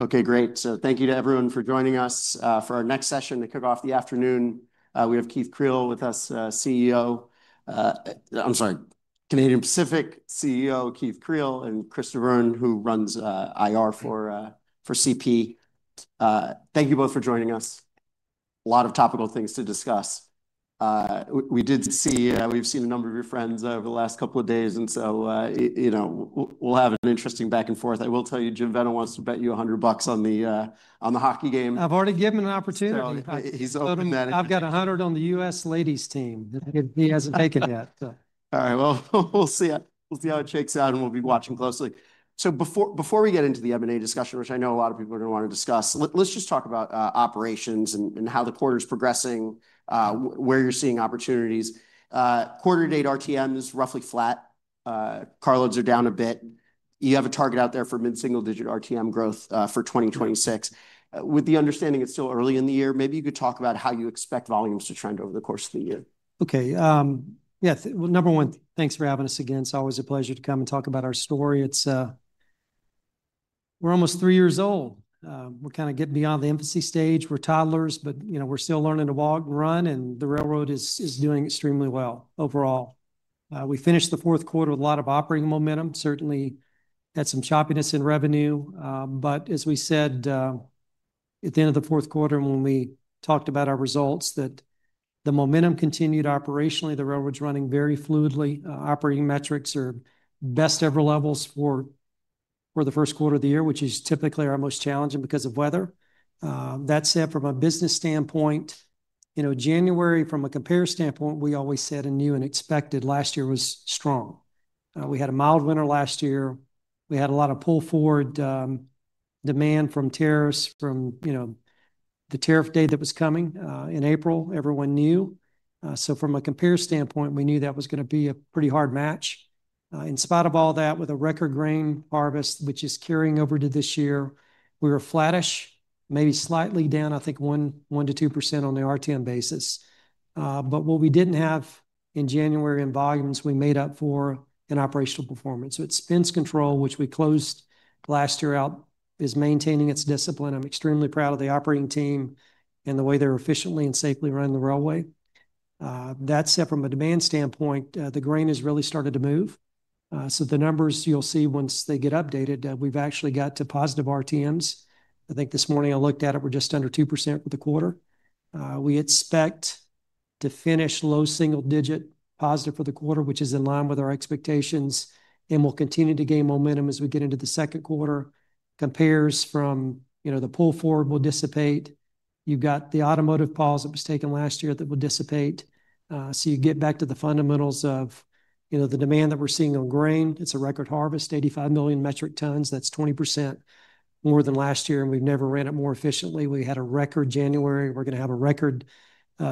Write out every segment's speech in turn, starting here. Okay, great. So thank you to everyone for joining us for our next session to kick off the afternoon. We have Keith Creel with us, CEO, I'm sorry, Canadian Pacific CEO, Keith Creel, and Chris de Bruyn, who runs IR for CP. Thank you both for joining us. A lot of topical things to discuss. We've seen a number of your friends over the last couple of days, and so, you know, we'll have an interesting back and forth. I will tell you, Jim Vena wants to bet you $100 on the hockey game. I've already given him an opportunity. He's open to that. I've got $100 on the U.S. ladies team. He hasn't taken it yet, so. All right, well, we'll see how, we'll see how it shakes out, and we'll be watching closely. So before we get into the M&A discussion, which I know a lot of people are going to want to discuss, let's just talk about operations and how the quarter's progressing, where you're seeing opportunities. Quarter to date, RTM is roughly flat. Carloads are down a bit. You have a target out there for mid-single-digit RTM growth for 2026. With the understanding it's still early in the year, maybe you could talk about how you expect volumes to trend over the course of the year. Okay, yeah. Well, number one, thanks for having us again. It's always a pleasure to come and talk about our story. It's, we're almost three years old. We're kind of getting beyond the infancy stage. We're toddlers, but, you know, we're still learning to walk, run, and the railroad is doing extremely well overall. We finished the fourth quarter with a lot of operating momentum. Certainly had some choppiness in revenue, but as we said, at the end of the fourth quarter, and when we talked about our results, that the momentum continued operationally. The railroad's running very fluidly. Operating metrics are best-ever levels for the first quarter of the year, which is typically our most challenging because of weather. That said, from a business standpoint, you know, January, from a compare standpoint, we always said and knew and expected last year was strong. We had a mild winter last year. We had a lot of pull-forward demand from tariffs, from, you know, the tariff date that was coming in April. Everyone knew. From a compare standpoint, we knew that was going to be a pretty hard match. In spite of all that, with a record grain harvest, which is carrying over to this year, we were flattish, maybe slightly down, I think 1%-2% on the RTM basis. What we didn't have in January in volumes, we made up for in operational performance. Spend control, which we closed last year out, is maintaining its discipline. I'm extremely proud of the operating team and the way they're efficiently and safely running the railway. That said, from a demand standpoint, the grain has really started to move. So the numbers you'll see once they get updated, we've actually got to positive RTMs. I think this morning I looked at it, we're just under 2% for the quarter. We expect to finish low single digit positive for the quarter, which is in line with our expectations, and we'll continue to gain momentum as we get into the second quarter. Compares from, you know, the pull forward will dissipate. You've got the automotive pause that was taken last year that will dissipate. So you get back to the fundamentals of, you know, the demand that we're seeing on grain. It's a record harvest, 85 million metric tons. That's 20% more than last year, and we've never ran it more efficiently. We had a record January. We're going to have a record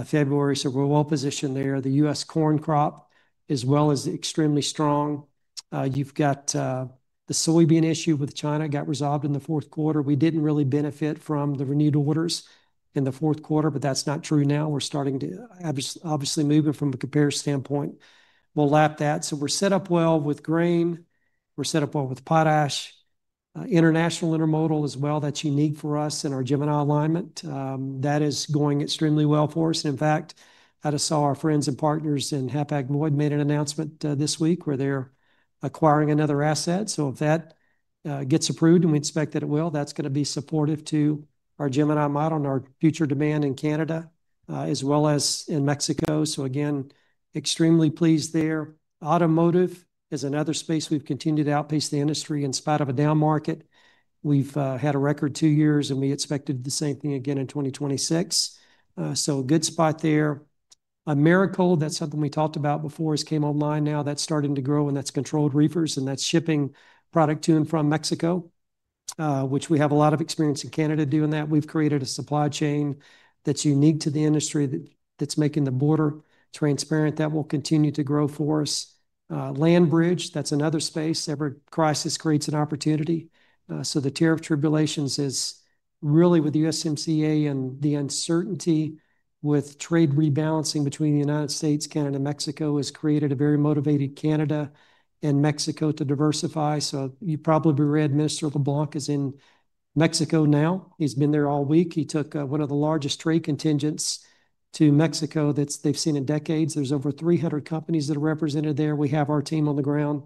February, so we're well positioned there. The U.S. corn crop, as well, is extremely strong. You've got the soybean issue with China got resolved in the fourth quarter. We didn't really benefit from the renewed orders in the fourth quarter, but that's not true now. We're starting to obviously, obviously moving from a compare standpoint. We'll lap that. So we're set up well with grain. We're set up well with potash. International intermodal as well, that's unique for us and our Gemini alignment. That is going extremely well for us. In fact, I just saw our friends and partners in Hapag-Lloyd made an announcement this week, where they're acquiring another asset. So if that gets approved, and we expect that it will, that's going to be supportive to our Gemini model and our future demand in Canada, as well as in Mexico. So again, extremely pleased there. Automotive is another space we've continued to outpace the industry in spite of a down market. We've had a record two years, and we expected the same thing again in 2026. So a good spot there. Americold, that's something we talked about before, just came online. Now that's starting to grow, and that's controlled reefers, and that's shipping product to and from Mexico, which we have a lot of experience in Canada doing that. We've created a supply chain that's unique to the industry, that's making the border transparent. That will continue to grow for us. Land bridge, that's another space. Every crisis creates an opportunity. The tariff tribulations is really with the USMCA and the uncertainty with trade rebalancing between the United States, Canada, Mexico, has created a very motivated Canada and Mexico to diversify. You probably read Minister LeBlanc is in Mexico now. He's been there all week. He took one of the largest trade contingents to Mexico that's, they've seen in decades. There's over 300 companies that are represented there. We have our team on the ground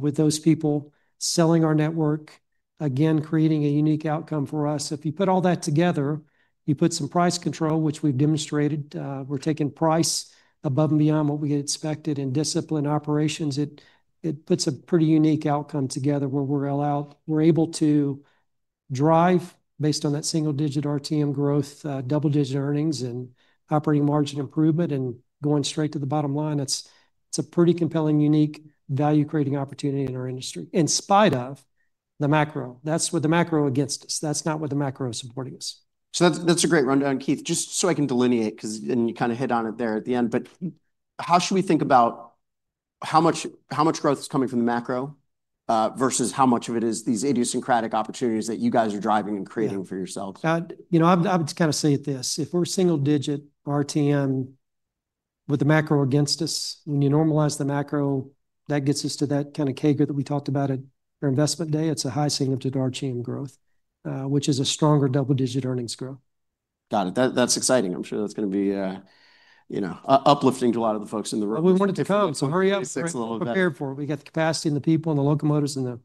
with those people selling our network, again, creating a unique outcome for us. If you put all that together, you put some price control, which we've demonstrated. We're taking price above and beyond what we had expected in discipline operations. It puts a pretty unique outcome together where we're allowed, we're able to drive based on that single-digit RTM growth, double-digit earnings and operating margin improvement, and going straight to the bottom line, it's a pretty compelling, unique, value-creating opportunity in our industry, in spite of the macro. That's with the macro against us. That's not with the macro supporting us. So that's, that's a great rundown, Keith. Just so I can delineate, because, and you kind of hit on it there at the end, but how should we think about how much, how much growth is coming from the macro versus how much of it is these idiosyncratic opportunities that you guys are driving and creating for yourselves? you know, I'd, I would kind of say it this: if we're single digit RTM with the macro against us, when you normalize the macro, that gets us to that kind of CAGR that we talked about at our Investor Day. It's a high single-digit RTM growth, which is a stronger double-digit earnings growth. Got it. That, that's exciting. I'm sure that's going to be, you know, uplifting to a lot of the folks in the room. Well, we want it to come, so hurry up. A little bit. Prepared for it. We got the capacity and the people, and the locomotives and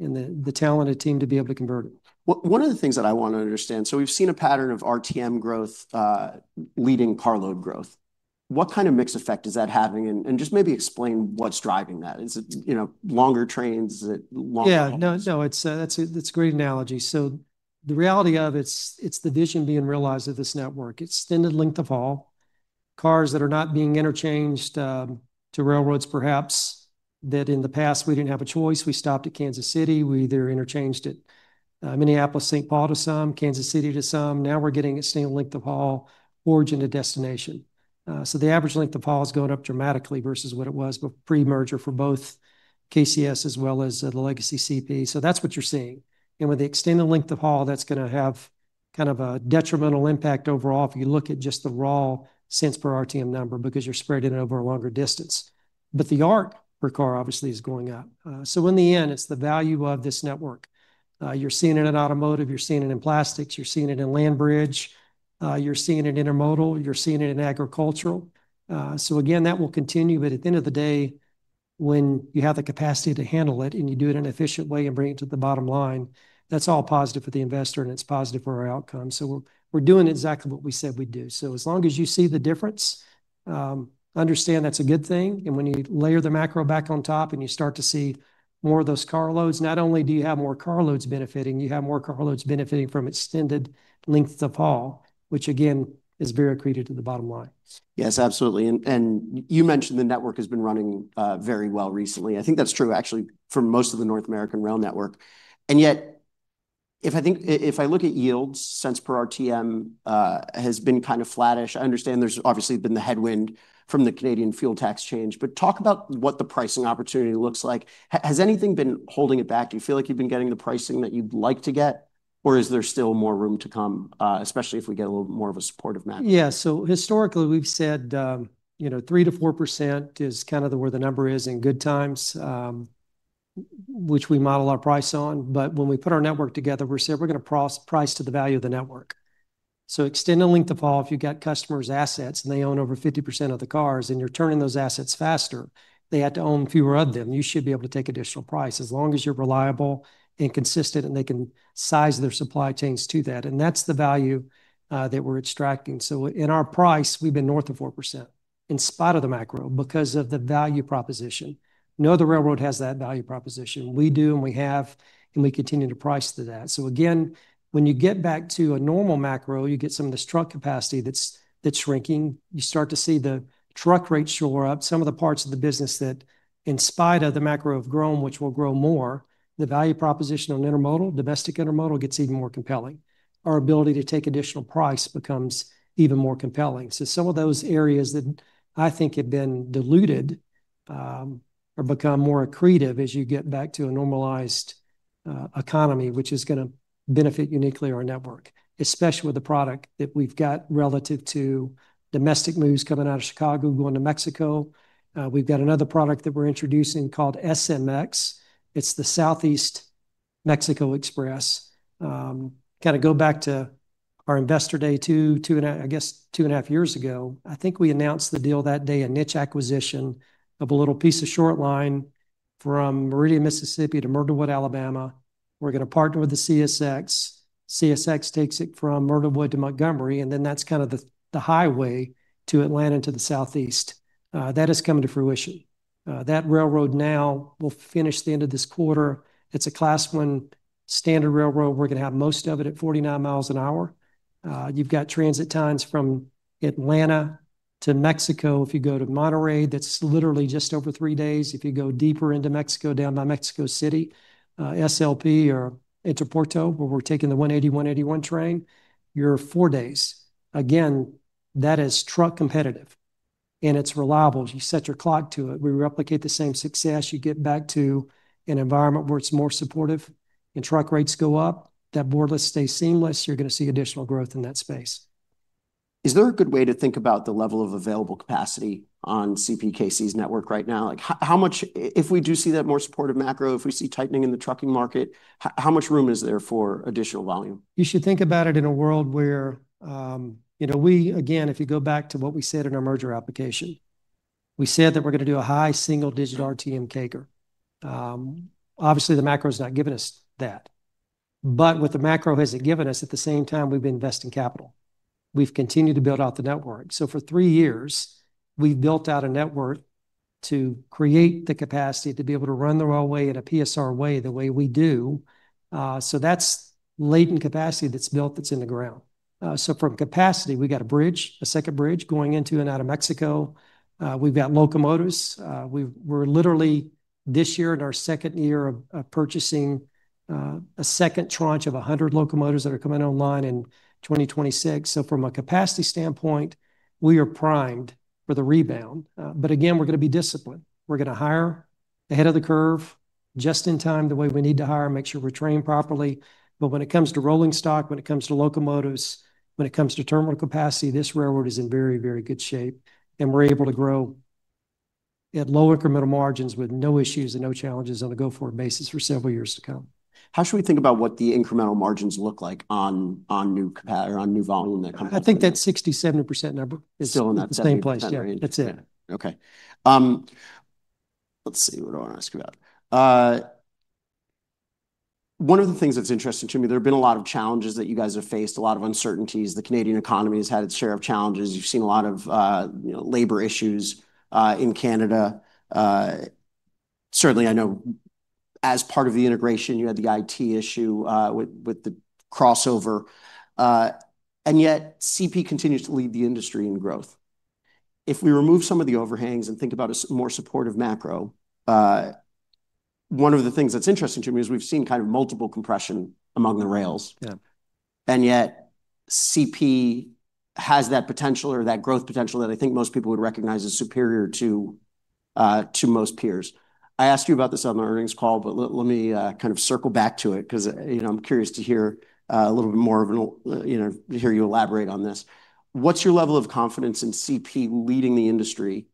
the talented team to be able to convert it. One of the things that I want to understand: so we've seen a pattern of RTM growth leading carload growth. What kind of mix effect is that having? And just maybe explain what's driving that. Is it, you know, longer trains? Is it longer hauls? Yeah. No, no, it's a great analogy. So the reality of it's, it's the vision being realized of this network. Extended length of haul, cars that are not being interchanged to railroads, perhaps, that in the past we didn't have a choice. We stopped at Kansas City. We either interchanged at Minneapolis-Saint Paul to some, Kansas City to some. Now we're getting extended length of haul, origin to destination. So the average length of haul is going up dramatically versus what it was pre-merger for both KCS as well as the legacy CP. So that's what you're seeing. And with the extended length of haul, that's going to have kind of a detrimental impact overall, if you look at just the raw cents per RTM number, because you're spreading it over a longer distance. But the revenue per car obviously is going up. So in the end, it's the value of this network. You're seeing it in automotive, you're seeing it in plastics, you're seeing it in land bridge, you're seeing it in intermodal, you're seeing it in agricultural. So again, that will continue. But at the end of the day, when you have the capacity to handle it, and you do it in an efficient way and bring it to the bottom line, that's all positive for the investor, and it's positive for our outcome. So we're doing exactly what we said we'd do. So as long as you see the difference, understand, that's a good thing. When you layer the macro back on top, and you start to see more of those carloads, not only do you have more carloads benefiting, you have more carloads benefiting from extended lengths of haul, which again, is very accretive to the bottom line. Yes, absolutely. And you mentioned the network has been running very well recently. I think that's true actually for most of the North American rail network. And yet, if I look at yields, cents per RTM, has been kind of flattish. I understand there's obviously been the headwind from the Canadian fuel tax change, but talk about what the pricing opportunity looks like. Has anything been holding it back? Do you feel like you've been getting the pricing that you'd like to get, or is there still more room to come, especially if we get a little more of a supportive macro? Yeah. So historically, we've said, you know, 3%-4% is kind of where the number is in good times, which we model our price on. But when we put our network together, we said we're going to price to the value of the network. So extended length of haul, if you've got customers assets, and they own over 50% of the cars, and you're turning those assets faster, they had to own fewer of them. You should be able to take additional price as long as you're reliable and consistent, and they can size their supply chains to that, and that's the value that we're extracting. So in our price, we've been north of 4% in spite of the macro, because of the value proposition. No other railroad has that value proposition. We do, and we have, and we continue to price to that. So again, when you get back to a normal macro, you get some of this truck capacity that's, that's shrinking. You start to see the truck rates shore up. Some of the parts of the business that, in spite of the macro, have grown, which will grow more. The value proposition on intermodal, domestic intermodal, gets even more compelling. Our ability to take additional price becomes even more compelling. So some of those areas that I think have been diluted, or become more accretive as you get back to a normalized economy, which is going to benefit uniquely our network, especially with the product that we've got relative to domestic moves coming out of Chicago, going to Mexico. We've got another product that we're introducing called SMX. It's the Southeast Mexico Express. Kind of go back to our Investor Day, I guess, two and half years ago. I think we announced the deal that day, a niche acquisition of a little piece of short line from Meridian, Mississippi, to Myrtlewood, Alabama. We're going to partner with the CSX. CSX takes it from Myrtlewood to Montgomery, and then that's kind of the highway to Atlanta, to the Southeast. That is coming to fruition. That railroad now will finish the end of this quarter. It's a Class I standard railroad. We're going to have most of it at 49 mi an hour. You've got transit times from Atlanta to Mexico. If you go to Monterrey, that's literally just over three days. If you go deeper into Mexico, down by Mexico City, SLP or Interpuerto, where we're taking the 180, 181 train, you're four days. Again, that is truck competitive, and it's reliable. You set your clock to it. We replicate the same success. You get back to an environment where it's more supportive and truck rates go up, that borderless stays seamless, you're going to see additional growth in that space. Is there a good way to think about the level of available capacity on CPKC's network right now? Like, how much if we do see that more supportive macro, if we see tightening in the trucking market, how much room is there for additional volume? You should think about it in a world where, you know, Again, if you go back to what we said in our merger application, we said that we're going to do a high single-digit RTM CAGR. Obviously, the macro has not given us that. But what the macro hasn't given us, at the same time, we've been investing capital. We've continued to build out the network. So for three years, we've built out a network to create the capacity to be able to run the railway in a PSR way, the way we do. So that's latent capacity that's built, that's in the ground. So from capacity, we got a bridge, a second bridge, going into and out of Mexico. We've got locomotives. We're literally, this year, in our second year of purchasing a second tranche of 100 locomotives that are coming online in 2026. So from a capacity standpoint, we are primed for the rebound. But again, we're going to be disciplined. We're going to hire ahead of the curve, just in time, the way we need to hire, make sure we're trained properly. But when it comes to rolling stock, when it comes to locomotives, when it comes to terminal capacity, this railroad is in very, very good shape, and we're able to grow at low incremental margins with no issues and no challenges on a go-forward basis for several years to come. How should we think about what the incremental margins look like on new capacity or on new volume, that kind of- I think that 60%-70% number. Still in that. Same place. Yeah. That's it. Okay. Let's see, what do I want to ask you about? One of the things that's interesting to me, there have been a lot of challenges that you guys have faced, a lot of uncertainties. The Canadian economy has had its share of challenges. You've seen a lot of, you know, labor issues in Canada. Certainly, I know as part of the integration, you had the IT issue with the crossover, and yet CP continues to lead the industry in growth. If we remove some of the overhangs and think about a more supportive macro, one of the things that's interesting to me is we've seen kind of multiple compression among the rails. Yeah. And yet, CP has that potential or that growth potential that I think most people would recognize as superior to, to most peers. I asked you about this on the earnings call, but let, let me, kind of circle back to it, 'cause, you know, I'm curious to hear, a little bit more of an, you know, hear you elaborate on this. What's your level of confidence in CP leading the industry,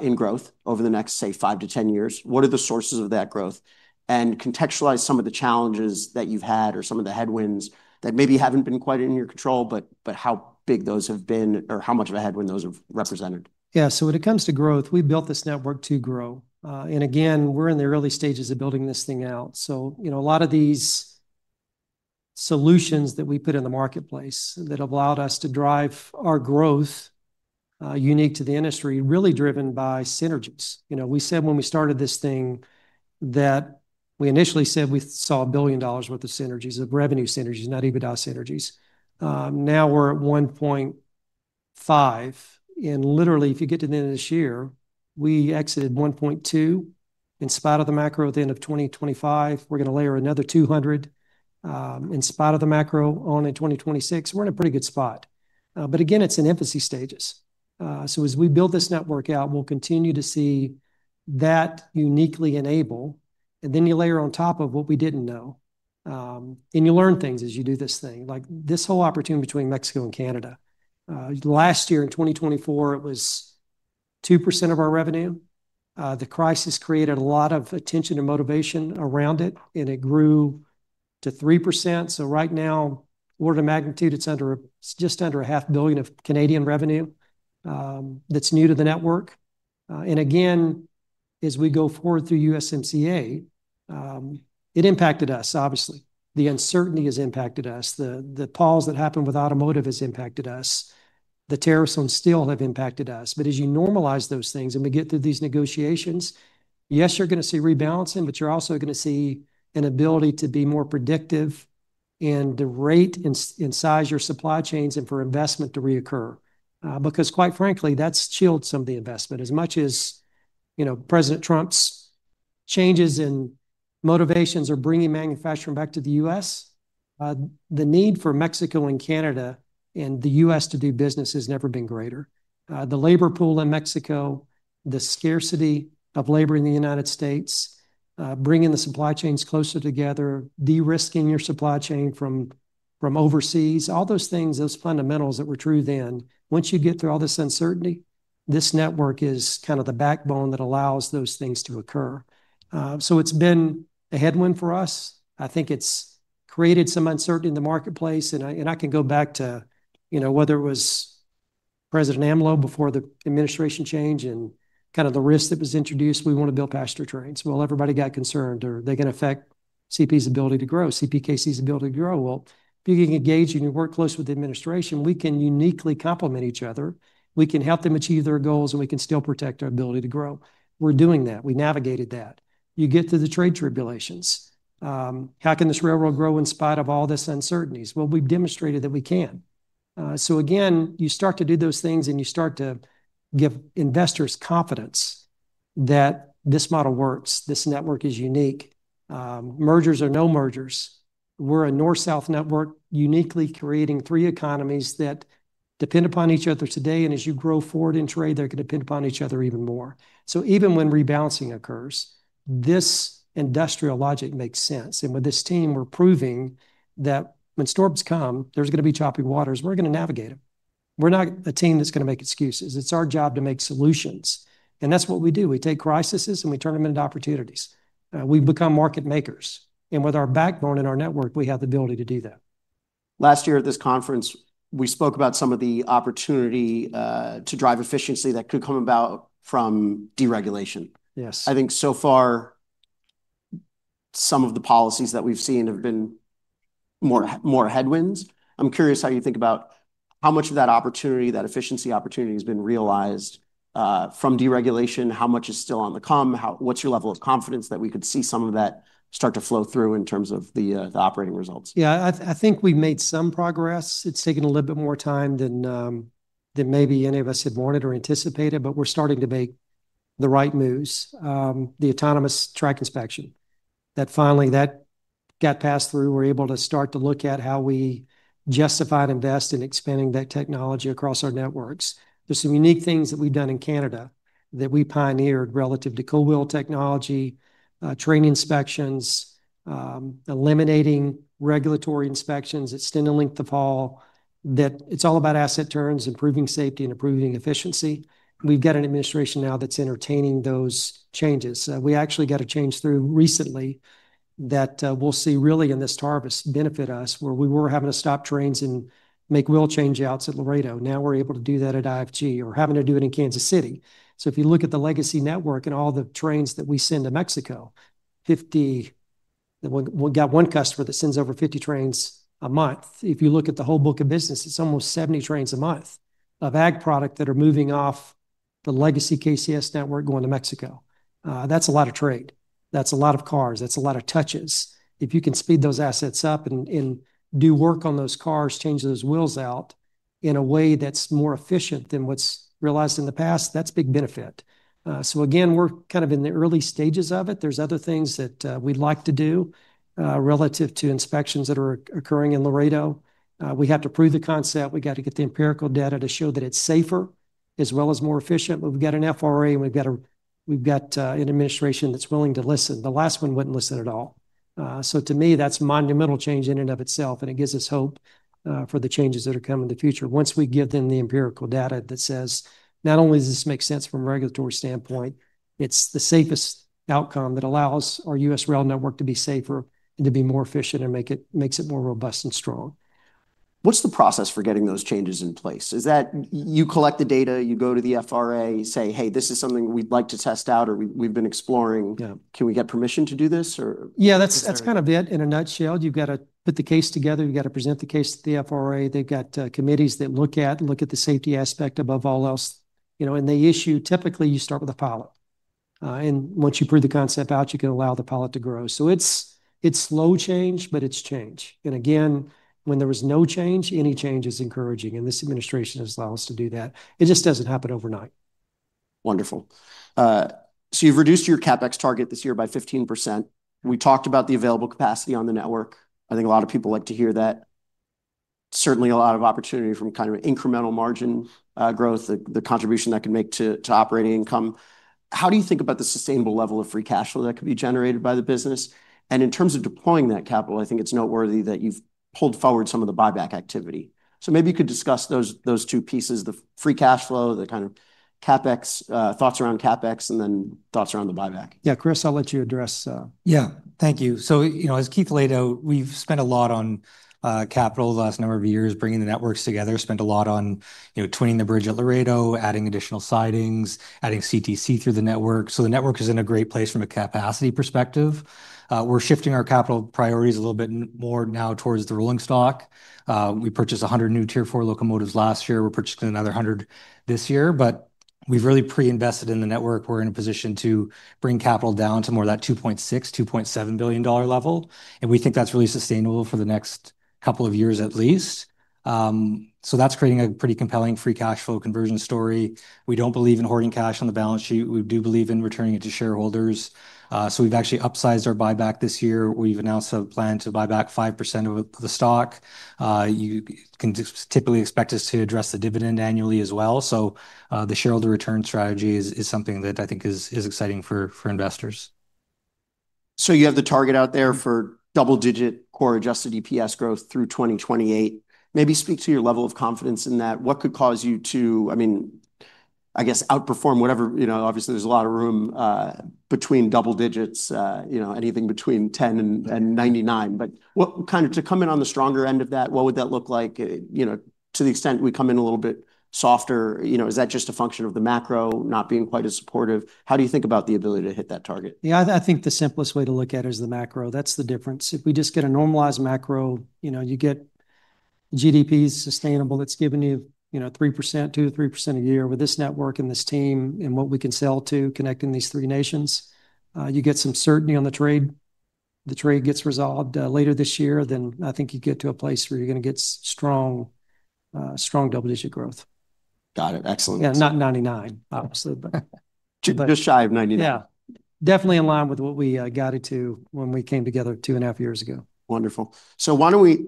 in growth over the next, say, five to 10 years? What are the sources of that growth? And contextualize some of the challenges that you've had or some of the headwinds that maybe haven't been quite in your control, but, but how big those have been or how much of a headwind those have represented. Yeah. So when it comes to growth, we built this network to grow. And again, we're in the early stages of building this thing out. So, you know, a lot of these solutions that we put in the marketplace that have allowed us to drive our growth, unique to the industry, really driven by synergies. You know, we said when we started this thing that we initially said we saw 1 billion dollars worth of synergies, of revenue synergies, not EBITDA synergies. Now we're at 1.5 billion, and literally, if you get to the end of this year, we exited 1.2 billion. In spite of the macro, at the end of 2025, we're going to layer another 200 million, in spite of the macro on in 2026. We're in a pretty good spot. But again, it's in infancy stages. So as we build this network out, we'll continue to see that uniquely enable, and then you layer on top of what we didn't know, and you learn things as you do this thing. Like this whole opportunity between Mexico and Canada, last year, in 2024, it was 2% of our revenue. The crisis created a lot of attention and motivation around it, and it grew to 3%. So right now, order of magnitude, it's under, just under 500 million of Canadian revenue, that's new to the network. And again, as we go forward through USMCA, it impacted us, obviously. The uncertainty has impacted us. The pause that happened with automotive has impacted us. The tariffs on steel have impacted us. But as you normalize those things and we get through these negotiations, yes, you're going to see rebalancing, but you're also going to see an ability to be more predictive and to rate and size your supply chains and for investment to reoccur. Because quite frankly, that's chilled some of the investment. As much as, you know, President Trump's changes in motivations are bringing manufacturing back to the U.S., the need for Mexico and Canada and the U.S. to do business has never been greater. The labor pool in Mexico, the scarcity of labor in the United States, bringing the supply chains closer together, de-risking your supply chain from overseas, all those things, those fundamentals that were true then, once you get through all this uncertainty, this network is kind of the backbone that allows those things to occur. So it's been a headwind for us. I think it's created some uncertainty in the marketplace, and I, and I can go back to, you know, whether it was President AMLO before the administration change and kind of the risk that was introduced. We want to build passenger trains. Well, everybody got concerned. Are they going to affect CP's ability to grow, CPKC's ability to grow? Well, if you can engage and you work closely with the administration, we can uniquely complement each other. We can help them achieve their goals, and we can still protect our ability to grow. We're doing that. We navigated that. You get to the trade tribulations. How can this railroad grow in spite of all this uncertainties? Well, we've demonstrated that we can. So again, you start to do those things, and you start to give investors confidence that this model works. This network is unique. Mergers or no mergers, we're a north-south network, uniquely creating three economies that depend upon each other today, and as you grow forward in trade, they're going to depend upon each other even more. So even when rebalancing occurs, this industrial logic makes sense. With this team, we're proving that when storms come, there's going to be choppy waters, and we're going to navigate them. We're not a team that's going to make excuses. It's our job to make solutions, and that's what we do. We take crises, and we turn them into opportunities. We've become market makers, and with our backbone and our network, we have the ability to do that. Last year at this conference, we spoke about some of the opportunity to drive efficiency that could come about from deregulation. Yes. I think so far, some of the policies that we've seen have been more, more headwinds. I'm curious how you think about how much of that opportunity, that efficiency opportunity, has been realized from deregulation? How much is still on the come? What's your level of confidence that we could see some of that start to flow through in terms of the, the operating results? Yeah, I think we've made some progress. It's taken a little bit more time than maybe any of us had wanted or anticipated, but we're starting to make the right moves. The autonomous track inspection that finally got passed through, we're able to start to look at how we justify and invest in expanding that technology across our networks. There's some unique things that we've done in Canada that we pioneered relative to cold wheel technology, train inspections, eliminating regulatory inspections, extending length of haul, that it's all about asset turns, improving safety, and improving efficiency. We've got an administration now that's entertaining those changes. We actually got a change through recently that we'll see really in this harvest benefit us, where we were having to stop trains and make wheel change outs at Laredo. Now we're able to do that at IFG or having to do it in Kansas City. So if you look at the legacy network and all the trains that we send to Mexico, 50, we got one customer that sends over 50 trains a month. If you look at the whole book of business, it's almost 70 trains a month of ag product that are moving off the legacy KCS network going to Mexico. That's a lot of trade. That's a lot of cars. That's a lot of touches. If you can speed those assets up and do work on those cars, change those wheels out in a way that's more efficient than what's realized in the past, that's a big benefit. So again, we're kind of in the early stages of it. There's other things that we'd like to do relative to inspections that are occurring in Laredo. We have to prove the concept. We got to get the empirical data to show that it's safer as well as more efficient. But we've got an FRA, and we've got an administration that's willing to listen. The last one wouldn't listen at all. So to me, that's monumental change in and of itself, and it gives us hope for the changes that are coming in the future. Once we give them the empirical data that says, not only does this make sense from a regulatory standpoint, it's the safest outcome that allows our U.S. rail network to be safer and to be more efficient and makes it more robust and strong. What's the process for getting those changes in place? Is that you collect the data, you go to the FRA, say, hey, this is something we'd like to test out, or we, we've been exploring- Yeah. Can we get permission to do this or? Yeah, that's, that's kind of it in a nutshell. You've got to put the case together. You've got to present the case to the FRA. They've got committees that look at, look at the safety aspect above all else, you know, and they issue. Typically, you start with a pilot. And once you prove the concept out, you can allow the pilot to grow. So it's, it's slow change, but it's change. And again, when there was no change, any change is encouraging, and this administration has allowed us to do that. It just doesn't happen overnight. Wonderful. So you've reduced your CapEx target this year by 15%. We talked about the available capacity on the network. I think a lot of people like to hear that. Certainly, a lot of opportunity from kind of an incremental margin growth, the contribution that could make to operating income. How do you think about the sustainable level of free cash flow that could be generated by the business? And in terms of deploying that capital, I think it's noteworthy that you've pulled forward some of the buyback activity. So maybe you could discuss those two pieces, the free cash flow, the kind of CapEx thoughts around CapEx, and then thoughts around the buyback. Yeah, Chris, I'll let you address, Yeah. Thank you. So, you know, as Keith laid out, we've spent a lot on capital the last number of years, bringing the networks together. Spent a lot on, you know, twinning the bridge at Laredo, adding additional sidings, adding CTC through the network. So the network is in a great place from a capacity perspective. We're shifting our capital priorities a little bit more now towards the rolling stock. We purchased 100 new Tier 4 locomotives last year. We're purchasing another 100 this year, but we've really pre-invested in the network. We're in a position to bring capital down to more of that 2.6 billion-2.7 billion dollar level, and we think that's really sustainable for the next couple of years at least. So that's creating a pretty compelling free cash flow conversion story. We don't believe in hoarding cash on the balance sheet. We do believe in returning it to shareholders. So we've actually upsized our buyback this year. We've announced a plan to buy back 5% of the stock. You can typically expect us to address the dividend annually as well. So the shareholder return strategy is something that I think is exciting for investors. So you have the target out there for double-digit core adjusted EPS growth through 2028. Maybe speak to your level of confidence in that. What could cause you to, I mean, I guess, outperform whatever. You know, obviously, there's a lot of room between double digits, you know, anything between 10 and 99. But what kind of to come in on the stronger end of that, what would that look like, you know, to the extent we come in a little bit softer, you know, is that just a function of the macro not being quite as supportive? How do you think about the ability to hit that target? Yeah, I, I think the simplest way to look at it is the macro. That's the difference. If we just get a normalized macro, you know, you get GDP sustainable, that's giving you, you know, 3%, 2%-3% a year with this network and this team, and what we can sell to connecting these three nations, later this year, then I think you get to a place where you're gonna get strong, strong double-digit growth. Got it. Excellent. Yeah, not 99, obviously, but- Just shy of 99. Yeah. Definitely in line with what we guided to when we came together two and a half years ago. Wonderful. So why don't we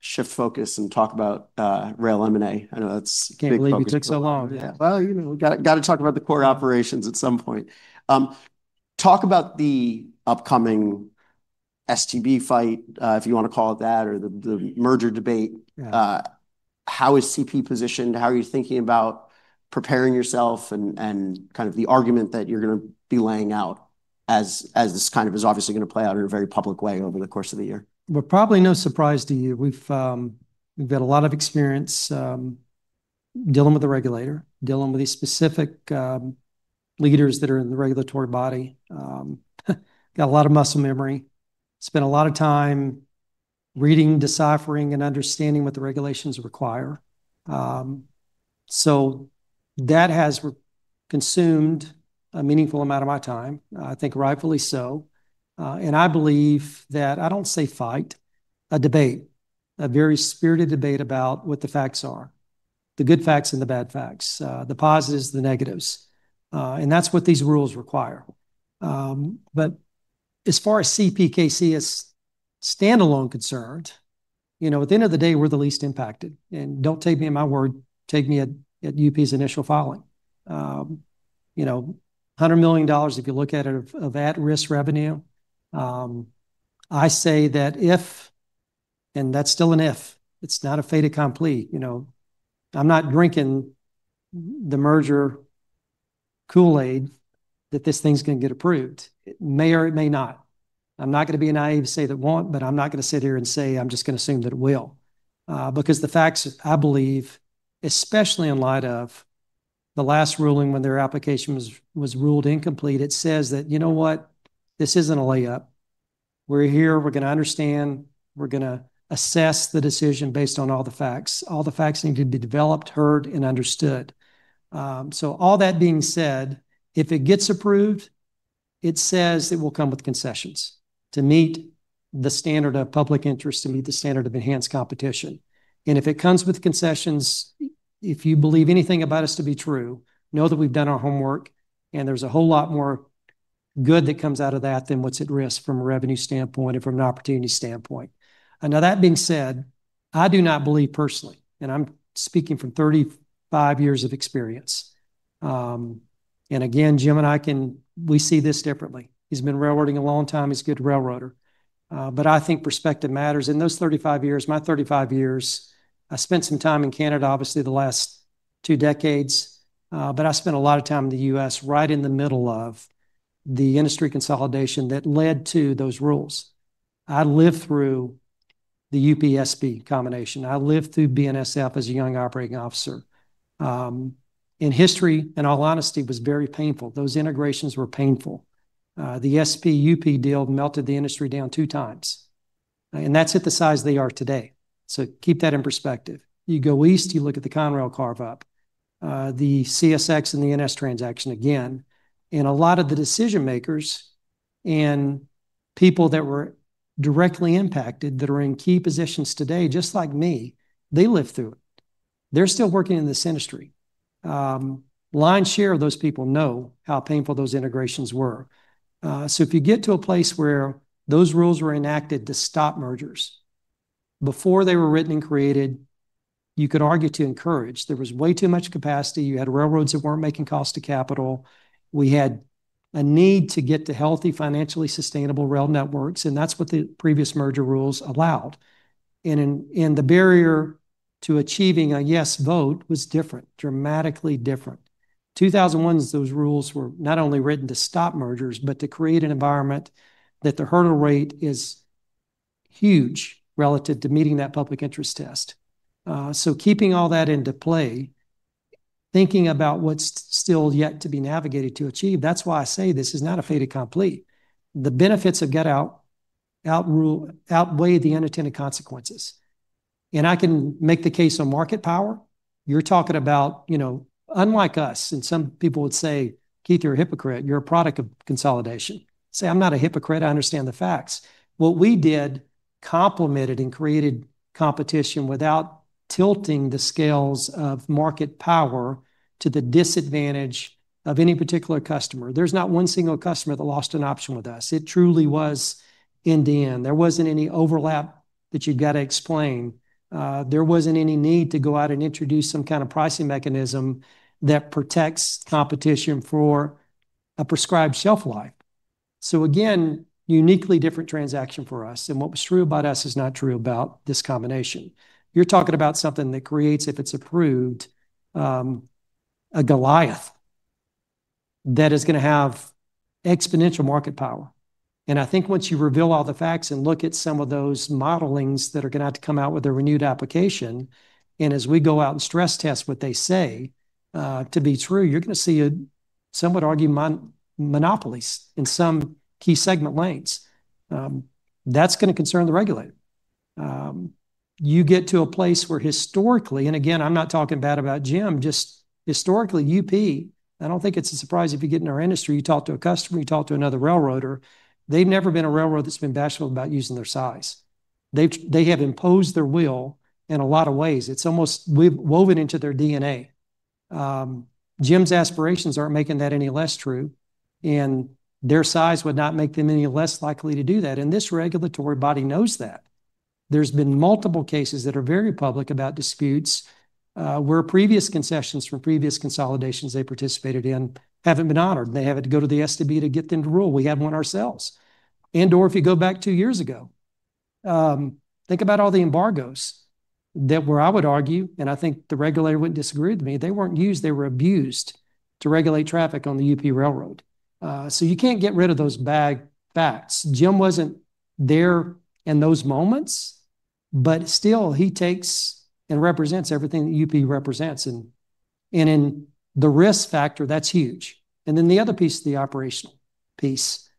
shift focus and talk about rail M&A? I know that's. Can't believe you took so long. Yeah. Well, you know, got to talk about the core operations at some point. Talk about the upcoming STB fight, if you want to call it that, or the merger debate. Yeah. How is CP positioned? How are you thinking about preparing yourself and, and kind of the argument that you're gonna be laying out as, as this kind of is obviously gonna play out in a very public way over the course of the year? Well, probably no surprise to you. We've, we've got a lot of experience dealing with the regulator, dealing with these specific leaders that are in the regulatory body. Got a lot of muscle memory, spent a lot of time reading, deciphering, and understanding what the regulations require. So that has consumed a meaningful amount of my time, I think rightfully so. And I believe that I don't say fight, a debate, a very spirited debate about what the facts are, the good facts and the bad facts, the positives, the negatives, and that's what these rules require. But as far as CPKC is standalone concerned, you know, at the end of the day, we're the least impacted, and don't take me in my word, take me at, at UP's initial filing. You know, $100 million, if you look at it, of at-risk revenue. I say that if, and that's still an if, it's not a fait accompli, you know, I'm not drinking the merger Kool-Aid, that this thing's going to get approved. It may or it may not. I'm not going to be naive to say that it won't, but I'm not going to sit here and say I'm just going to assume that it will. Because the facts, I believe, especially in light of the last ruling, when their application was ruled incomplete, it says that, you know what? This isn't a layup. We're here, we're going to understand. We're going to assess the decision based on all the facts. All the facts need to be developed, heard, and understood. So all that being said, if it gets approved, it says it will come with concessions to meet the standard of public interest, to meet the standard of enhanced competition. And if it comes with concessions, if you believe anything about us to be true, know that we've done our homework, and there's a whole lot more good that comes out of that than what's at risk from a revenue standpoint and from an opportunity standpoint. And now, that being said, I do not believe personally, and I'm speaking from 35 years of experience, and again, Jim and I, we see this differently. He's been railroading a long time. He's a good railroader. But I think perspective matters. In those 35 years, my 35 years, I spent some time in Canada, obviously, the last two decades, but I spent a lot of time in the U.S., right in the middle of the industry consolidation that led to those rules. I lived through the UP-SP combination. I lived through BNSF as a young operating officer. In history, in all honesty, it was very painful. Those integrations were painful. The SP-UP deal melted the industry down 2x, and that's at the size they are today. So keep that in perspective. You go east, you look at the Conrail carve-up, the CSX and the NS transaction again, and a lot of the decision makers and people that were directly impacted, that are in key positions today, just like me, they lived through it. They're still working in this industry. Lion's share of those people know how painful those integrations were. So if you get to a place where those rules were enacted to stop mergers before they were written and created, you could argue to encourage. There was way too much capacity. You had railroads that weren't making cost to capital. We had a need to get to healthy, financially sustainable rail networks, and that's what the previous merger rules allowed. And the barrier to achieving a yes vote was different, dramatically different. 2001, those rules were not only written to stop mergers, but to create an environment that the hurdle rate is huge relative to meeting that public interest test. So keeping all that into play, thinking about what's still yet to be navigated to achieve, that's why I say this is not a fait accompli. The benefits outweigh the unintended consequences, and I can make the case on market power. You're talking about, you know, unlike us, and some people would say, "Keith, you're a hypocrite. You're a product of consolidation." Say, "I'm not a hypocrite. I understand the facts." What we did complemented and created competition without tilting the scales of market power to the disadvantage of any particular customer. There's not one single customer that lost an option with us. It truly was end to end. There wasn't any overlap that you've got to explain. There wasn't any need to go out and introduce some kind of pricing mechanism that protects competition for a prescribed shelf life. So again, uniquely different transaction for us, and what was true about us is not true about this combination. You're talking about something that creates, if it's approved, a Goliath that is going to have exponential market power. And I think once you reveal all the facts and look at some of those modelings that are going to have to come out with a renewed application, and as we go out and stress test what they say to be true, you're going to see some would argue, monopolies in some key segment lanes. That's going to concern the regulator. You get to a place where historically, and again, I'm not talking bad about Jim, just historically, UP, I don't think it's a surprise if you get in our industry, you talk to a customer, you talk to another railroader, they've never been a railroad that's been bashful about using their size. They've, they have imposed their will in a lot of ways. It's almost woven into their DNA. Jim's aspirations aren't making that any less true, and their size would not make them any less likely to do that. This regulatory body knows that. There's been multiple cases that are very public about disputes where previous concessions from previous consolidations they participated in haven't been honored, and they have had to go to the STB to get them to rule. We have one ourselves. And/or if you go back two years ago, think about all the embargoes where I would argue, and I think the regulator wouldn't disagree with me, they weren't used, they were abused to regulate traffic on the UP Railroad. So you can't get rid of those bad facts. Jim wasn't there in those moments, but still, he takes and represents everything that UP represents, and in the risk factor, that's huge. Then the other piece is the operational piece.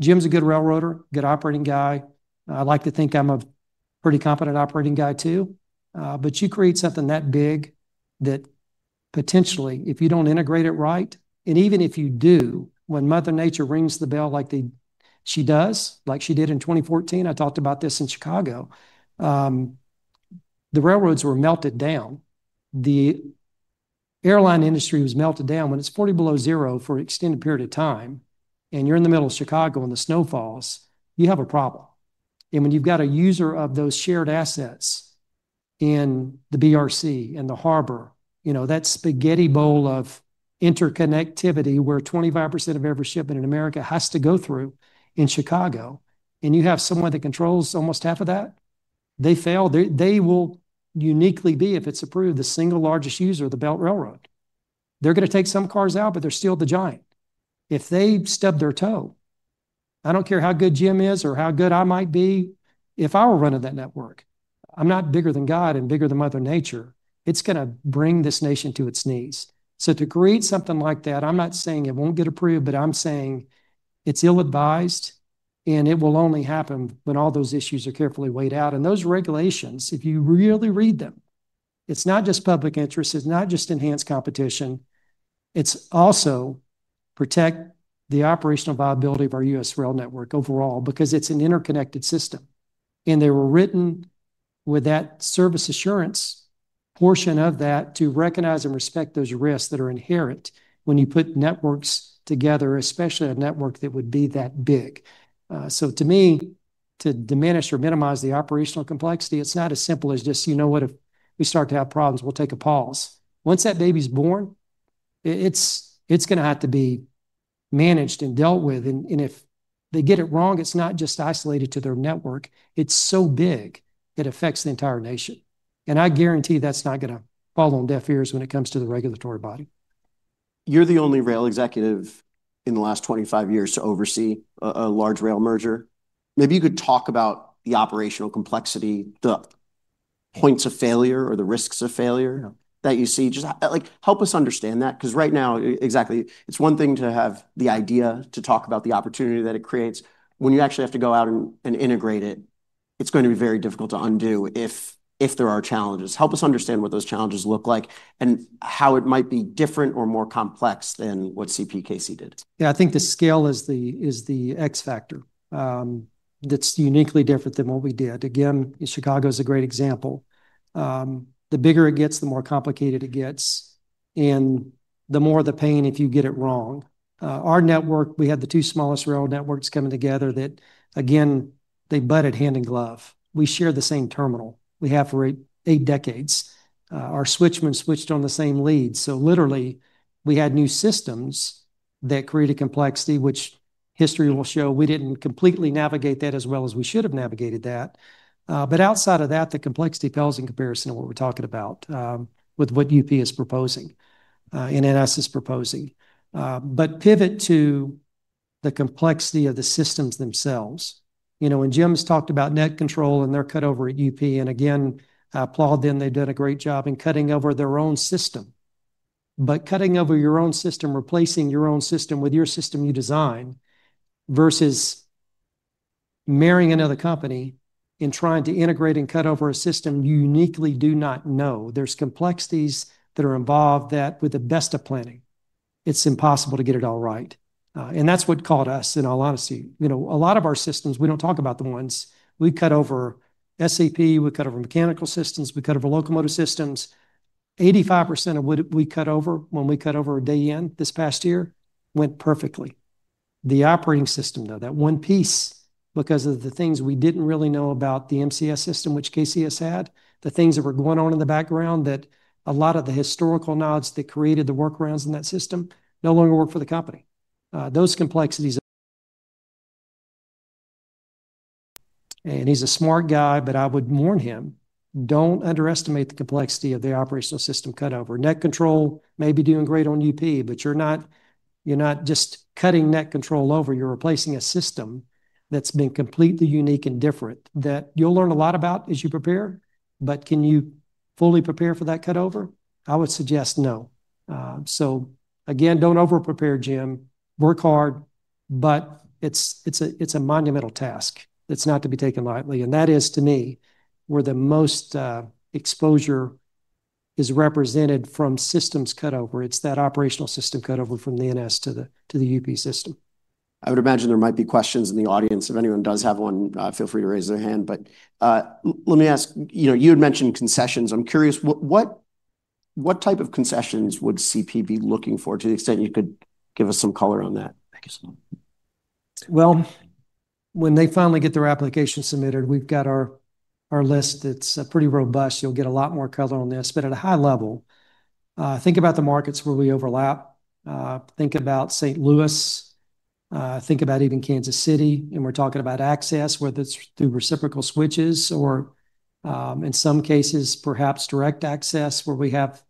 Jim's a good railroader, good operating guy. I like to think I'm a pretty competent operating guy, too. But you create something that big that potentially, if you don't integrate it right, and even if you do, when Mother Nature rings the bell like she does, like she did in 2014, I talked about this in Chicago. The railroads were melted down. The airline industry was melted down. When it's 40 below zero for an extended period of time, and you're in the middle of Chicago, and the snow falls, you have a problem. And when you've got a user of those shared assets in the BRC, in the harbor, you know, that spaghetti bowl of interconnectivity, where 25% of every shipment in America has to go through in Chicago, and you have someone that controls almost half of that, they fail. They will uniquely be, if it's approved, the single largest user of the Belt Railroad. They're gonna take some cars out, but they're still the giant. If they stub their toe, I don't care how good Jim is or how good I might be, if I were running that network, I'm not bigger than God and bigger than Mother Nature, it's gonna bring this nation to its knees. So to create something like that, I'm not saying it won't get approved, but I'm saying it's ill-advised, and it will only happen when all those issues are carefully weighed out. Those regulations, if you really read them, it's not just public interest, it's not just enhanced competition, it's also protect the operational viability of our U.S. rail network overall, because it's an interconnected system, and they were written with that service assurance portion of that to recognize and respect those risks that are inherent when you put networks together, especially a network that would be that big. So to me, to diminish or minimize the operational complexity, it's not as simple as just, you know what? If we start to have problems, we'll take a pause. Once that baby's born, it, it's, it's gonna have to be managed and dealt with, and, and if they get it wrong, it's not just isolated to their network. It's so big, it affects the entire nation, and I guarantee that's not gonna fall on deaf ears when it comes to the regulatory body. You're the only rail executive in the last 25 years to oversee a large rail merger. Maybe you could talk about the operational complexity, the points of failure or the risks of failure? Yeah That you see. Just, like, help us understand that, because right now, exactly, it's one thing to have the idea, to talk about the opportunity that it creates. When you actually have to go out and, and integrate it, it's gonna be very difficult to undo if, if there are challenges. Help us understand what those challenges look like and how it might be different or more complex than what CPKC did. Yeah, I think the scale is the X factor, that's uniquely different than what we did. Again, Chicago is a great example. The bigger it gets, the more complicated it gets, and the more the pain if you get it wrong. Our network, we had the two smallest rail networks coming together that, again, they butted hand in glove. We share the same terminal. We have for eight decades. Our switchmen switched on the same lead, so literally, we had new systems that created complexity, which history will show we didn't completely navigate that as well as we should have navigated that. But outside of that, the complexity pales in comparison to what we're talking about with what UP is proposing and NS is proposing. But pivot to the complexity of the systems themselves. You know, when Jim's talked about NetControl and their cut over at UP, and again, I applaud them. They've done a great job in cutting over their own system. But cutting over your own system, replacing your own system with your system you design, versus marrying another company and trying to integrate and cut over a system you uniquely do not know, there's complexities that are involved that, with the best of planning, it's impossible to get it all right, and that's what caught us, in all honesty. You know, a lot of our systems, we don't talk about the ones, we cut over SAP, we cut over mechanical systems, we cut over locomotive systems. 85% of what we cut over when we cut over a day in, this past year, went perfectly. The operating system, though, that one piece, because of the things we didn't really know about the MCS system, which KCS had, the things that were going on in the background, that a lot of the historical nods that created the workarounds in that system no longer work for the company. Those complexities, and he's a smart guy, but I would warn him, don't underestimate the complexity of the operational system cut over. NetControl may be doing great on UP, but you're not, you're not just cutting NetControl over, you're replacing a system that's been completely unique and different, that you'll learn a lot about as you prepare. But can you fully prepare for that cut over? I would suggest no. So again, don't over prepare, Jim. Work hard, but it's a monumental task that's not to be taken lightly, and that is, to me, where the most exposure is represented from systems cut over. It's that operational system cut over from the NS to the UP system. I would imagine there might be questions in the audience. If anyone does have one, feel free to raise their hand. But let me ask, you know, you had mentioned concessions. I'm curious, what type of concessions would CP be looking for, to the extent you could give us some color on that? Well, when they finally get their application submitted, we've got our list that's pretty robust. You'll get a lot more color on this, but at a high level, think about the markets where we overlap. Think about St. Louis, think about even Kansas City, and we're talking about access, whether it's through reciprocal switches or, in some cases, perhaps direct access, where we have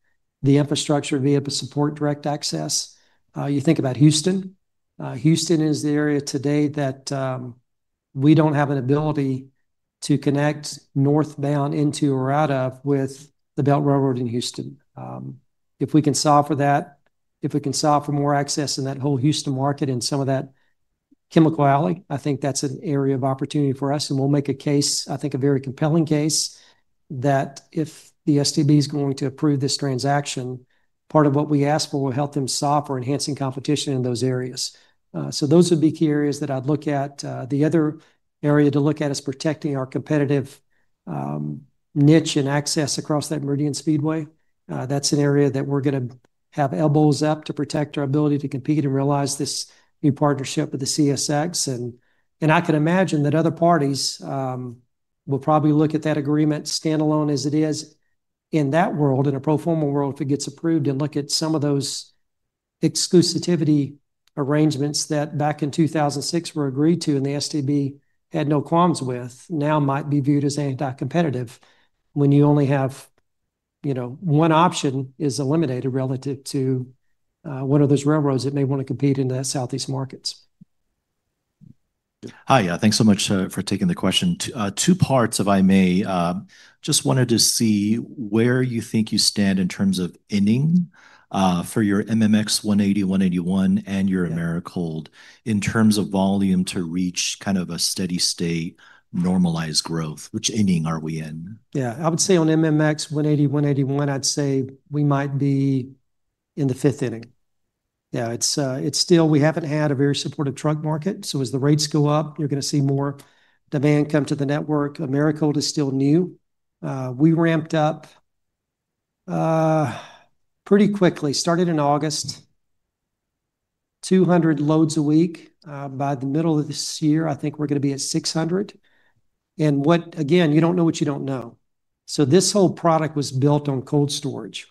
the infrastructure via to support direct access. You think about Houston. Houston is the area today that we don't have an ability to connect northbound into or out of with the Belt Railroad in Houston. If we can solve for that, if we can solve for more access in that whole Houston market and some of that, Chemical Alley, I think that's an area of opportunity for us, and we'll make a case, I think, a very compelling case, that if the STB is going to approve this transaction, part of what we ask for will help them solve for enhancing competition in those areas. So those would be key areas that I'd look at. The other area to look at is protecting our competitive niche and access across that Meridian Speedway. That's an area that we're going to have elbows up to protect our ability to compete and realize this new partnership with the CSX. I can imagine that other parties will probably look at that agreement standalone as it is in that world, in a pro forma world, if it gets approved, and look at some of those exclusivity arrangements that back in 2006 were agreed to, and the STB had no qualms with, now might be viewed as anti-competitive. When you only have, you know, one option is eliminated relative to one of those railroads that may want to compete in the southeast markets. Hi. Yeah, thanks so much for taking the question. Two, two parts, if I may. Just wanted to see where you think you stand in terms of inning for your MMX 180, 181, and your Americold in terms of volume to reach kind of a steady state, normalized growth. Which inning are we in? Yeah, I would say on MMX 180, 181, I'd say we might be in the fifth inning. Yeah, it's, it's still... We haven't had a very supportive truck market, so as the rates go up, you're going to see more demand come to the network. Americold is still new. We ramped up pretty quickly, started in August, 200 loads a week. By the middle of this year, I think we're going to be at 600. And what, again, you don't know what you don't know. So this whole product was built on cold storage.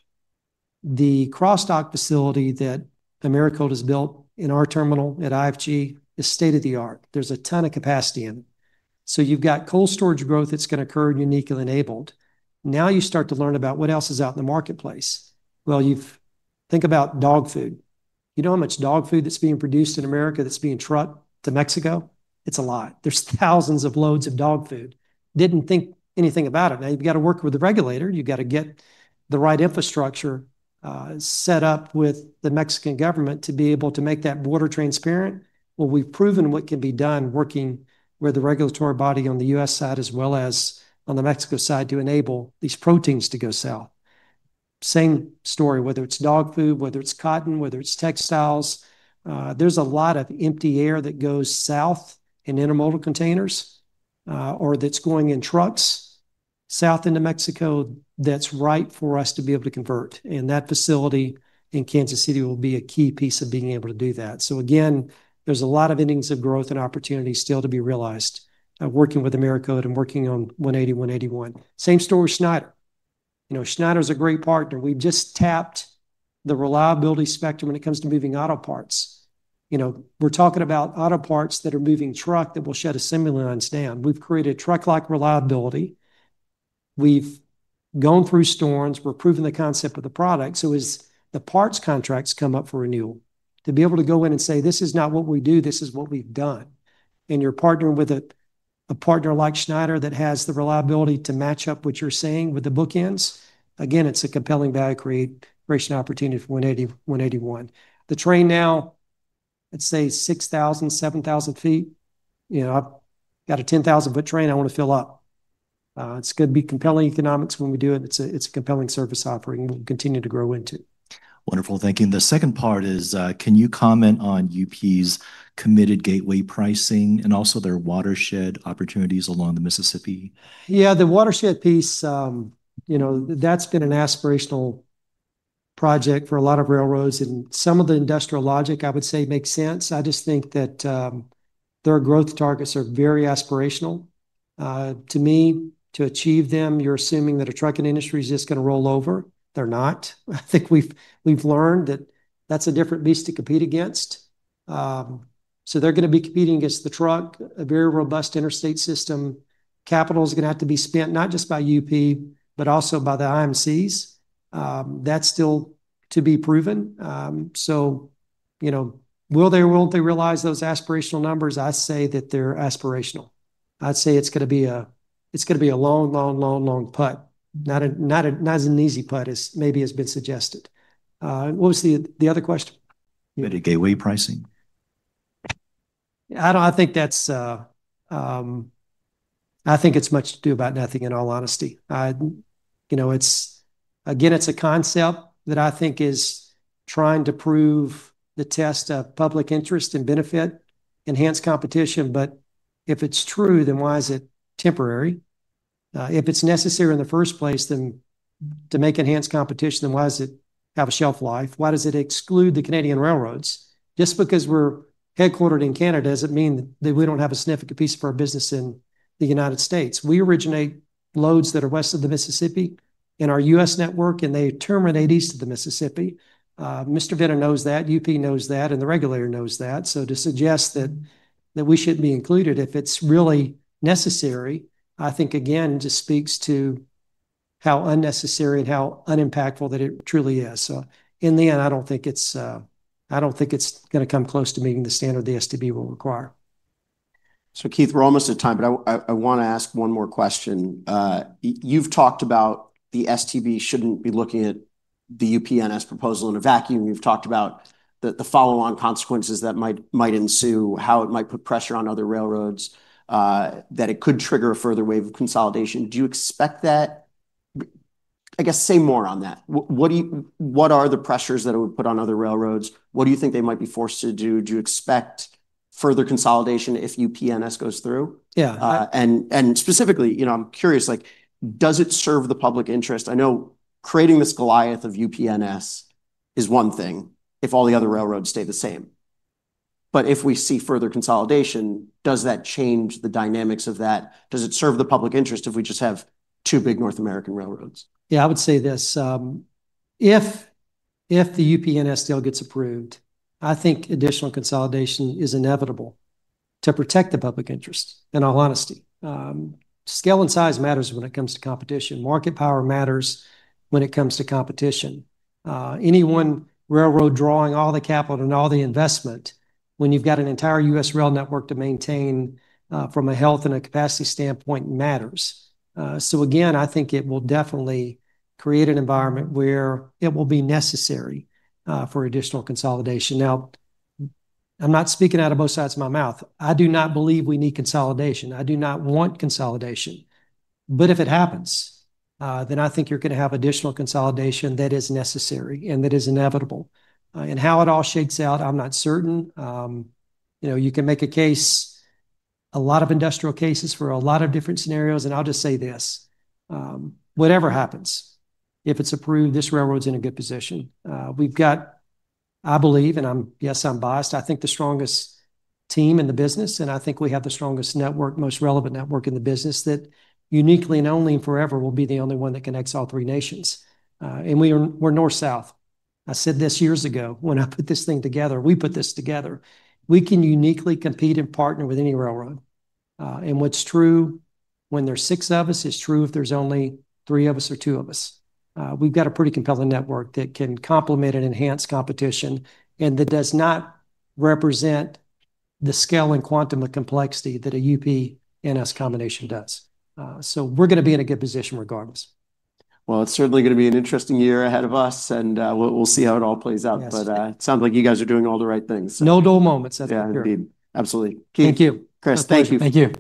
The cross-dock facility that Americold has built in our terminal at IFG is state-of-the-art. There's a ton of capacity in. So you've got cold storage growth that's going to occur uniquely enabled. Now, you start to learn about what else is out in the marketplace. Well, think about dog food. You know how much dog food that's being produced in America that's being trucked to Mexico? It's a lot. There's thousands of loads of dog food. Didn't think anything about it. Now, you've got to work with the regulator. You've got to get the right infrastructure, set up with the Mexican government to be able to make that border transparent. Well, we've proven what can be done working with the regulatory body on the U.S. side, as well as on the Mexico side, to enable these proteins to go south. Same story, whether it's dog food, whether it's cotton, whether it's textiles. There's a lot of empty air that goes south in intermodal containers, or that's going in trucks south into Mexico that's right for us to be able to convert. And that facility in Kansas City will be a key piece of being able to do that. So again, there's a lot of innings of growth and opportunity still to be realized, working with Americold and working on 180, 181. Same story with Schneider. You know, Schneider is a great partner. We've just tapped the reliability spectrum when it comes to moving auto parts. You know, we're talking about auto parts that are moving truck that will shut assembly line down. We've created truck-like reliability. We've gone through storms. We're proving the concept of the product. So as the parts contracts come up for renewal, to be able to go in and say, "this is not what we do, this is what we've done," and you're partnering with a, a partner like Schneider that has the reliability to match up what you're saying with the bookends. Again, it's a compelling value creation opportunity for 180, 181. The train now, let's say 6,000, 7,000 feet, you know, I've got a 10,000-ft train I want to fill up. It's going to be compelling economics when we do it. It's a compelling service offering, and we'll continue to grow into. Wonderful. Thank you. The second part is, can you comment on UP's committed gateway pricing and also their water share opportunities along the Mississippi? Yeah, the water share piece, you know, that's been an aspirational project for a lot of railroads, and some of the industrial logic, I would say, makes sense. I just think that, their growth targets are very aspirational. To me, to achieve them, you're assuming that a trucking industry is just going to roll over. They're not. I think we've, we've learned that that's a different beast to compete against. So they're going to be competing against the truck, a very robust interstate system. Capital is going to have to be spent not just by UP, but also by the IMCs. That's still to be proven. So, you know, will they or won't they realize those aspirational numbers? I say that they're aspirational. I'd say it's gonna be a long, long, long, long putt. Not an easy putt, as maybe has been suggested. What was the other question? Committed gateway pricing. I think that's, I think it's much to do about nothing, in all honesty. I, you know, it's. Again, it's a concept that I think is trying to prove the test of public interest and benefit, enhance competition, but if it's true, then why is it temporary? If it's necessary in the first place, then to make enhanced competition, then why does it have a shelf life? Why does it exclude the Canadian railroads? Just because we're headquartered in Canada doesn't mean that we don't have a significant piece of our business in the United States. We originate loads that are west of the Mississippi in our U.S. network, and they terminate east of the Mississippi. Mr. Vena knows that, UP knows that, and the regulator knows that. So to suggest that, that we shouldn't be included, if it's really necessary, I think, again, just speaks to how unnecessary and how unimpactful that it truly is. So in the end, I don't think it's, I don't think it's going to come close to meeting the standard the STB will require. So, Keith, we're almost at time, but I want to ask one more question. You've talked about the STB shouldn't be looking at the UP-NS proposal in a vacuum. You've talked about the follow-on consequences that might ensue, how it might put pressure on other railroads, that it could trigger a further wave of consolidation. Do you expect that? I guess, say more on that. What are the pressures that it would put on other railroads? What do you think they might be forced to do? Do you expect further consolidation if UP-NS goes through? Yeah. Specifically, you know, I'm curious, like, does it serve the public interest? I know creating this Goliath of UP-NS is one thing, if all the other railroads stay the same, but if we see further consolidation, does that change the dynamics of that? Does it serve the public interest if we just have two big North American railroads? Yeah, I would say this, if the UP-NS deal gets approved, I think additional consolidation is inevitable to protect the public interest, in all honesty. Scale and size matters when it comes to competition. Market power matters when it comes to competition. Any one railroad drawing all the capital and all the investment, when you've got an entire U.S. rail network to maintain, from a health and a capacity standpoint, matters. So again, I think it will definitely create an environment where it will be necessary for additional consolidation. Now, I'm not speaking out of both sides of my mouth. I do not believe we need consolidation. I do not want consolidation. But if it happens, then I think you're going to have additional consolidation that is necessary and that is inevitable. And how it all shakes out, I'm not certain. You know, you can make a case, a lot of industrial cases for a lot of different scenarios, and I'll just say this: whatever happens, if it's approved, this railroad's in a good position. We've got, I believe, and I'm, yes, I'm biased, I think the strongest team in the business, and I think we have the strongest network, most relevant network in the business, that uniquely and only and forever will be the only one that connects all three nations. And we are, we're North/South. I said this years ago when I put this thing together. We put this together. We can uniquely compete and partner with any railroad. And what's true when there's six of us is true if there's only three of us or two of us. We've got a pretty compelling network that can complement and enhance competition, and that does not represent the scale and quantum of complexity that a UP-NS combination does. So we're going to be in a good position regardless. Well, it's certainly going to be an interesting year ahead of us, and we'll see how it all plays out. Yes. It sounds like you guys are doing all the right things. No dull moments at the year. Yeah, indeed. Absolutely. Thank you. Keith, Chris, thank you. Thank you.